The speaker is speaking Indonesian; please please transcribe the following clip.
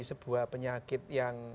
sebuah penyakit yang